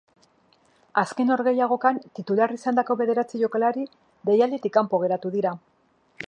Azken norgehiagokan titular izandako bederatzi jokalari deialditik kanpo geratu dira.